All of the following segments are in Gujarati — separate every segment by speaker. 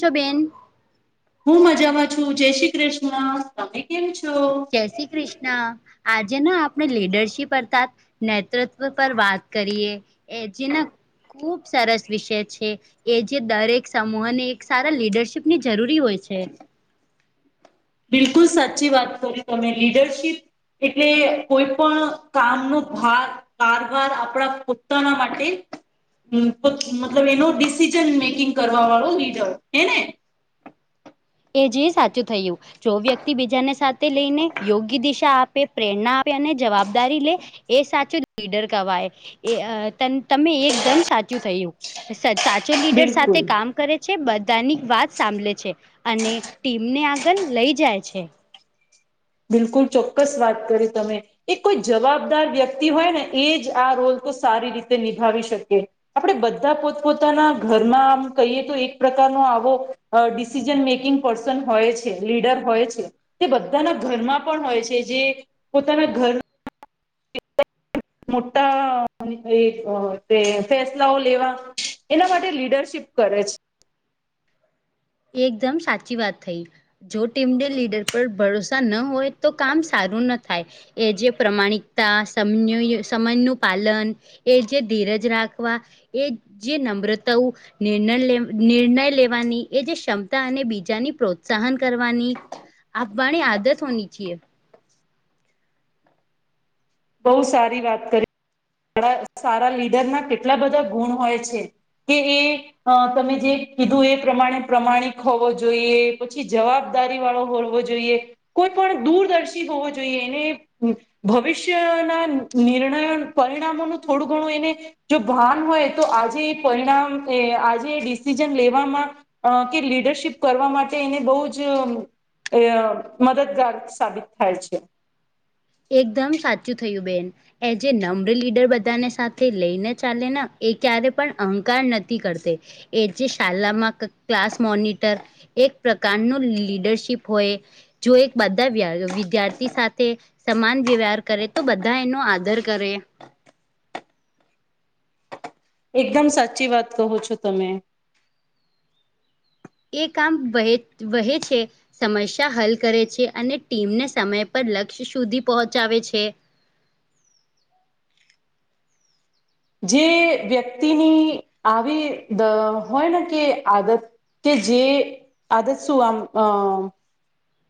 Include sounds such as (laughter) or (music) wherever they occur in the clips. Speaker 1: કેમ છો, બેેન
Speaker 2: હું મજામાં છુ, જય શ્રી કૃષ્ણ તમે કેમ છો.
Speaker 1: જય શ્રી કૃષ્ણ આજે ના આપણે લીડરશીપ અતા નેતૃત્વ પર વાત કરીએ એ જેના ખૂબ સરસ વિષય છે. એ જે દરેક સમૂહ ને એક સારા લીડરશીપ ની જરૂરી હોય છે.
Speaker 2: (unintelligible) બિલકુલ સાચી વાત કરી તમે લીડરશીપ એટલે કોઈ, પણ કામનોો ભાગ કારવાર આપણા પોતાના માટે મતલબ એનો ડિસિઝન મેકિંગ કરવા વાળો લીડર હે ને
Speaker 1: એ જે સાચું થયુ. જો વ્યક્તિ બીજાને સાથે લઈને યોગ્ય, દિશા આપે પ્રેરણા આપે અને જવાબદારી લે એ સાચું લીડર કવાય એ તમે એકદમ સાચું થયુ. સાચો લીડર સાથે
Speaker 2: બિલકુલ
Speaker 1: કામ કરે છે, બધાની વાત સાંભળ છે. અને ટીમને આગળ લઈ જાય છે.
Speaker 2: બિલકુલ ચોક્કસ વાત કરી તમે. એ કોઈ જવાબદાર વ્યક્તિ હોય ને એ જ આ રોલ તો સારી રીતે નિભાવી શકે. આપણેે બધા પોતપોતાના ઘરમાં આમ કહીએ તો એક પ્રકારનો આવો અ ડિસિઝન મેકિંગ પર્સન હોય છે, લીડર હોય છે, તે બધાના ઘરમાં પણ હોય છે જે પોતાના ઘર (unintelligible) મોટા અ તે ફેસલાઓ લેવા એના માટે લીડરશીપ કરે છે.
Speaker 1: એકદમ સાચી વાત થઈ. જો ટીમને લીડર પર ભરોસા ન હોય તો કામ સારું ન થાય. એ જે પ્રમાણિકતા, સમ સમય નું પાલન એ જે ધીરજ રાખવા એ જે નમ્રતાઓ નિર્ણય લે નિર્ણય લેવાની એ જે ક્ષમતા અને બીજાની પ્રોત્સાહન કરવાની, આપવાની આદત હોની છીએ.
Speaker 2: બહુ સારી વાત કરી. સાડા સારા લીડર ના કેટલા બધા ગુણ હોય છે કે એ અ તમે જે કીધું એ પ્રમાણે પ્રમાણિક હોવો જોઈએ પછી જવાબ દારી વાળો હોડવો જોઈએ. કોઈ પણ દૂરદર્શી હોવો જોઈએ એને ભવિષ્યના નિર્ણયો પરિણામોનું થોડું ઘણું એને જો ભાન હોય તો આજે એ પરિણામ એ આજે ડિસિઝન લેવામાં અ કે લીડરશીપ કરવા માટે એને બઉ જ એ મદદગાર સાબિત થાય છે.
Speaker 1: એકદમ સાચું થયું બેન. એજે એ નમ્ર લીડર બધાને સાથે લઈને ચાલે ને એ ક્યારે પણ અહંકાર નથી કરતી. એ જે શલામાં ક ક્લાસ મોનિટર એક પ્રકારનું લીડરશીપ હોય, જો એક બધા વિદ્યાર્થી સાથે સમાન વ્યવહાર કરે તો બધા એનો આદર કરે.
Speaker 2: એકદમ સાચી વાત કહો છો તમે.
Speaker 1: એ કામ બહે વહે છે. સમસ્યા હલ કરે છે અને ટીમને સમય પર લક્ષ્ય સુધી પોહચાવે છે.
Speaker 2: જે વ્યક્તિની આવી દ હોય ને કે આદત કે જેે આદત સું આમ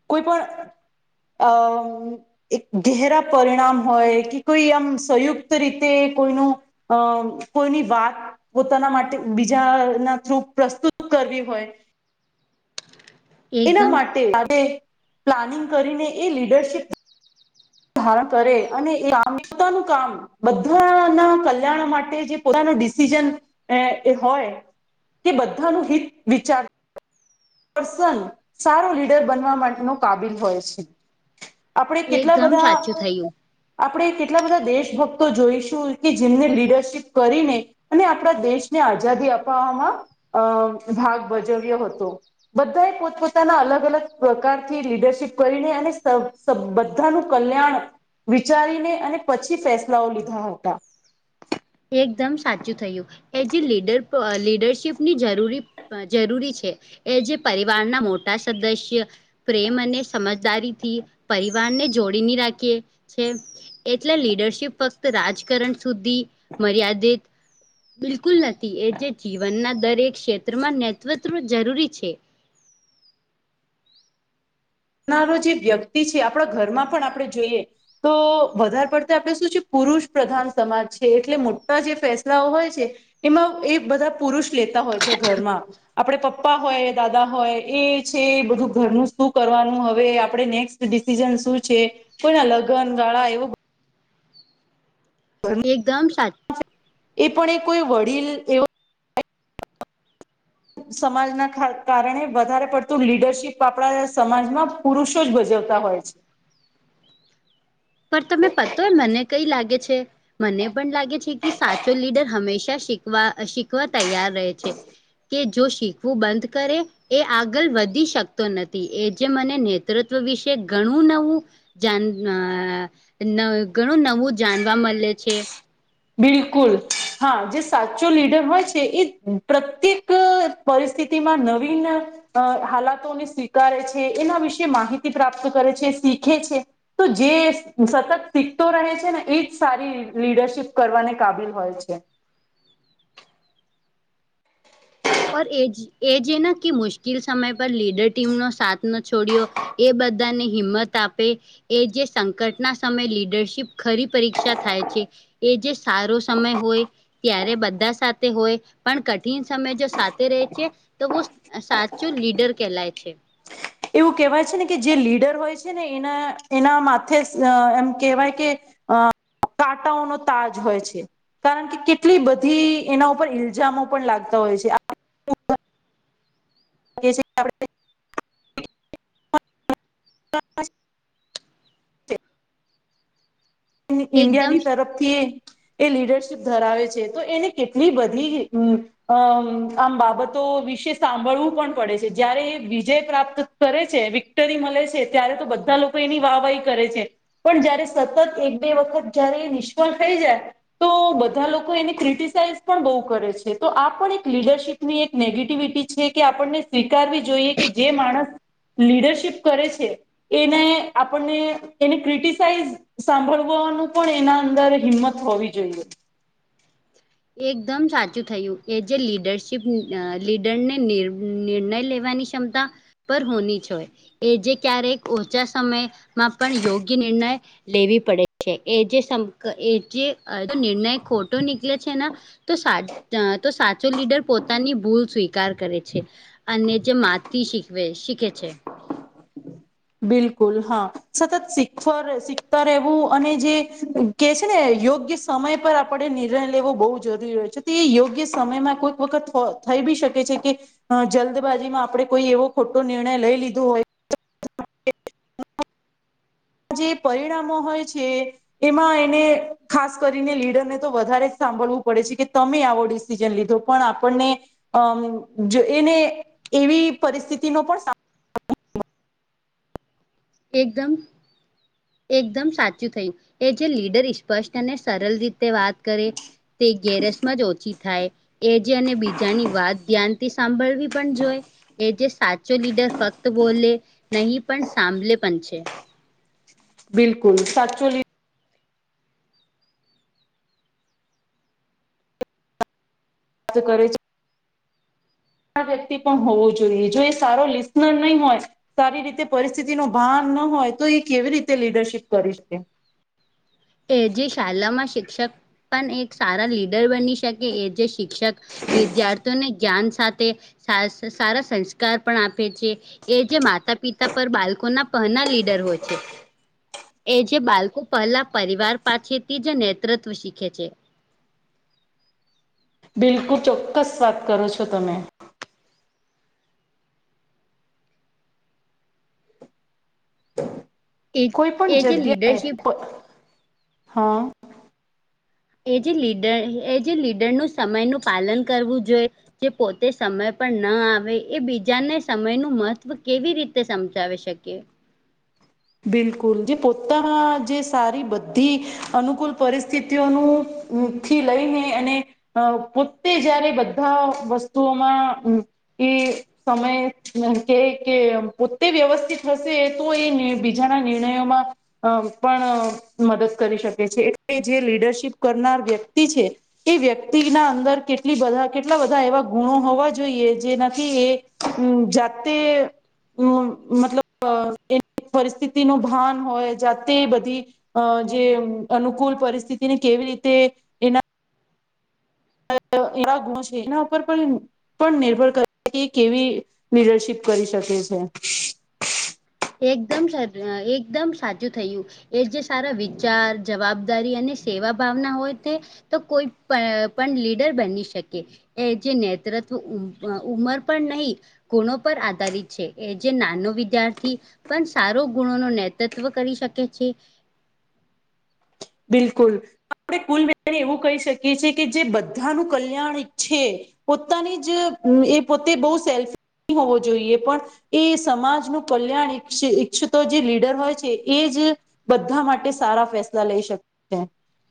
Speaker 2: કોઈ પણ અ એક ઘેહરા પરિણામ હોય કે કોઈ આમ સંયુક્ત રીતે કોઈનું અ કોઈની વાત પોતાના માટે બીજા ના થ્રુ પ્રસ્તુત કરવી હોય એના
Speaker 1: એકદમ
Speaker 2: માટે (unintelligible) પ્લાનિંગ કરીને એ લીડરશીપ ધારણ કરે અને (unintelligible) એમ્યતા નું કામ બધાના કલ્યાણ માટે જે પોતાનું ડિસિઝન એ એ હોય કે બધાનું હિત વિચાર પર્સન, સારો લીડર બનવા માટેનો કાબિલ હોય છે. આપડે કેટલા
Speaker 1: એકદમ
Speaker 2: બધા
Speaker 1: સાચું થયું
Speaker 2: આપણે કેટલા બધા દેશભક્તો જોઈશું કે જેમને લીડરશીપ કરીને અને આપણા દેશને આઝાદી અપાવવામાં અ ભાગ ભજવ્યો હતો. બધા એ પોતપોતાના અલગ અલગ પ્રકારથી લીડરશીપ કરીને અને સ (unintelligible) બધાનું કલ્યાણ વિચારીને અને પછી ફેસલાઓ લીધા હતા.
Speaker 1: એકદમ સાચું થયું. એ જે લીડર એ લીડરશીપની જરૂરી જરૂરી છે. એ જે પરિવારના મોટા સદસ્ય પ્રેમ અને સમજદારીથી પરિવારને જોડીને રાખીએ છે એટલે લીડરશીપ ફક્ત રાજકારણ સુધી મર્યાદિત બિલકુલ નથી એ જે જીવનના દરેક ક્ષેત્રમાં નેતૃત્વ જરૂરી છે
Speaker 2: ના રોજે વ્યક્તિ છે આપડા ઘરમાં પણ આપણે જોઈએ તો વધારે પડતા આપડે શું છે પુરુષ પ્રધાન સમાજ છે એટલે મોટા જે ફેસલાઓ હોય છે એમાં એ બધા પુરુષ લેતા હોય છે ઘરમાં આપડે પપ્પા હોય દાદા હોય એ છે બધું ઘરનું સુખ કરવાનું હવે આપડે નેક્સ્ટ ડિસિઝન શું છે કોઈ લગ્ન ગાળા એવું
Speaker 1: એકદમ સા
Speaker 2: એ પણ એ કોઈ વડીલ એવા સમાજના કારણે વધારે પડતું લીડરશીપ આપણા સમાજમાં પુરુષો જ ભજવતા હોય છે
Speaker 1: પર તમે પતો મને કઈ લાગે છે મને પણ લાગે છે કે સાચો લીડ હંમેશા શીખવા શીખવા તૈયાર રહે છે કે જો શીખવું બંધ કરે એ આગળ વધી શકતો નથી એ જે મને નેતૃત્વ વિશે ઘણું નવું જાન અં ઘણું નવું જાણવા મળે છે
Speaker 2: બિલકુલ હા જે સાચો લીડર હોય છે એ પ્રત્યેક પરિસ્થિતિમાં નવીન અ હાલાતોને સ્વીકારે છે એના વિશે માહિતી પ્રાપ્ત કરે છે શીખે છે તો જે સતત શીખતો રહે છે ને એજ સારી લીડરશીપ કરવાને કાબિલ હોય છે
Speaker 1: પર એજ એ જેને કે મુશ્કેલ સમય પર લીડર ટીમનો સાથ ન છોડ્યો એ બધાને હિંમત આપે એ જે સંકટના સમય લીડરશીપ ખરી પરીક્ષા થાય છે એ જે સારો સમય હોય ત્યારે બધા સાથે હોય પણ કઠિન સમય જો સાથે રહી છે તોવો સાચો લીડર કેલાય છે
Speaker 2: એવું કહેવાય છે ને કે જે લીડર હોય છે ને એના એના માથે એમ કેહેવાય કે અ કાંટાઓનો તાજ હોય છે કારણ કે કેટલી બધી એના ઉપર ઇલ્જામો પણ લાગતા હોય છે આ કે છે આપડે ઇન્ડિયા
Speaker 1: એકદમ
Speaker 2: ની તરફ થી એ લીડરશીપ ધરાવે છે તો એને કેટલી બધી અમ આમ બાબતો વિશે સાંભળવું પણ પડે છે જયારે વિજય પ્રાપ્ત કરે છે વિક્ટરી મળે છે ત્યારે તો બધા લોકો એની વાહ વાહી કરે છે પણ જયારે સતત એક બે વખત જયારે નિષ્ફળ થઈ જાય તો બધા લોકો એને ક્રિટસાઈઝ પણ બહુ કરે છે તો આ પણ એક લીડરશીપ ની એક નેગેટિવિટી છે કે આપણને સ્વીકારવી જોઈએ કે જે માણસ લીડરશીપ કરે છે એને આપણને એને ક્રિટસાઈઝ સાંભળ વો અનું પણ એના અંદર હિંમત હોવી જોઈએ
Speaker 1: એકદમ સાચું થયું એ જે લીડરશીપ લીડરને નિર્ણય લેવાની ક્ષમતા પર હોની જ હોય એ જે ક્યારેક ઓછા સમયમાં પણ યોગ્ય નિર્ણય લેવી પડે છે એ જે એ જે નિર્ણય ખોટો નીકળે છે ને તો સાં તો સાચો લીડર પો તાની ભૂલ સ્વીકાર કરે છે અને જે માથી શીખવે શીખે છે
Speaker 2: બિલકુલ હા સતત શીખ શીખતા રહેવું અને જે કે છે ને યોગ્ય સમય પર આપડે નિર્ણય લેવો બહુ જરૂરી હોય છે તો એ યોગ્ય સમયમાં કોઈક વખત થઈ બી શકે છે કે અ જલ્દબાજી માં આપડે કોઈ એવો ખોટો નિર્ણય લઈ લીધો હોય (unintelligible) જે પરિણામો હોય છે એમાં એને ખાસ કરીને લીડરને તો વધારે જ સાંભળવું પડે છે કે તમે આવો ર્ડિ દીસિસીન લીધો પણ આપને અ એને એવી પરિસ્થિતિ નો પણ સા
Speaker 1: એકદમ એકદમ સાચું થયું એ જે લીડર ઈ સ્પષ્ટ અને સરળ રીતે વાત કરે તે ગેરસમાં જ ઓછી થાય એ જે અને બીજાની વાત ધ્યાન તે સાંભળવી પણ જોય એ જે સાચો લીડર ફક્ત બોલે નહીં પણ સાંભલે પણ છે
Speaker 2: બિલકુલ સાચો લિદર કરે છે વ્યક્તિ પણ હોવો જોઈએ જો એ સારો લિસનર નહીં હોય સારી રીતે પરિસ્થિતિ નો ભાન ન હોય તો એ કેવી રીતે લીડરશીપ કરી શકે
Speaker 1: એ જે શાલામાં શિક્ષક પણ એક સારા લીડર બની શકે એ જે શિક્ષક વિદ્યાર્થીઓને જ્ઞાન સાથે સારા સંસ્કાર પણ આપે છે એ જે માતા પિતા પર બાળકોના પહના લીડર હોય છે એ જે બાલકો પહેલા પરિવાર પાછથી જ નેતૃત્વ શીખે છે
Speaker 2: બિલકુલ ચોક્કસ વાત કરો છો તમે.
Speaker 1: એ
Speaker 2: કોઈ પણ
Speaker 1: એ જે લીડરશીપ
Speaker 2: જગ્યા હ
Speaker 1: એ જે લીડર એ જે લીડર નું સમયનું પાલન કરવું જોઈ જે પોતે સમય પણ ન આવે એ બીજાને સમયનું મહત્ત્વ કેવી રીતે સમજાવી શકે
Speaker 2: બિલકુલ જે પોતાના જે સારી બધી અનુકૂલ પરિસ્થિતિઓનું થી લઈને અને પોતે જયારે બધા વસ્તુઓમાં એ સમય કે કે પોતે વ્યવસ્થિત હશે તો એ ની બીજાના નિર્ણયોમાં અ પણ મદદ કરી શકે છે એટલે જે લીડરશીપ કરનાર વ્યક્તિ છે તે વ્યક્તિના અંદર કેટલી બધા કેટલા બધા એવા ગુણો હોવા જોઈએ જેનાથી એ હ જાતે મતલબ પરિસ્થિતિ નો ભાન હોય જાતે બધી અ જે અનુકૂલ પરિસ્થિતિને કેવી રીતે એના એવા ગુંણ છે એના ઉપર પણ પણ નિર્ભર કર કે કેવી લીડરશીપ કરી શકે છે
Speaker 1: એકદમ સા એકદમ સાચુ થયું એ જે સારા વિચાર જવાબદારી અને સેવા ભાવના હોય તે તો કોઈ પણ પણ લીડર બની શકે એ જે નેતૃત્વ ઉંમર પણ નહી ગુણો પર આધારિત છે એ જે નાનો વિદ્યાર્થી થી પણ સારો ગુણો ન નેતૃત્વ કરી શકે છે
Speaker 2: બિલકુલ આપણે કુલને એવું કહી શકીએ છીએ કે જે બધાનું કલ્યાણ ઈચ્છે પોતાની જ એ પોતે બોહ સેલ્ફી હોવો જોઈએ પણ એ સમાજનું કલ્યાણ ઈછ ઈચ્છતો જે લીડર હોય છે એ જ બધા માટે સારા ફેસલા લઈ શક છે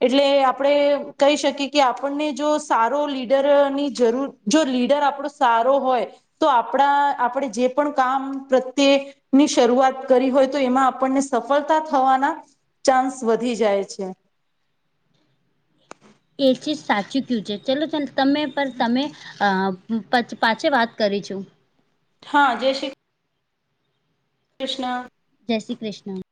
Speaker 2: એટલે આપણે કહી શકીએ કે આપણને જો સારો લીડરની જરૂર જો લીડર આપણો સારો હોય તો આપણા આપણે જે પણ કામ પ્રત્યે ની શરૂઆત કરી હોય તો એમાં આપણને સફળતા થવાના ચાન્સ વધી જાય છે છે
Speaker 1: એ ચીજ સાચું કયું છે ચલો ચ તમે પર તમે અ હું પ પાછે વાત કરી છું
Speaker 2: હા જે શી કૃષ્ણ
Speaker 1: જય શ્રી કૃષ્ણ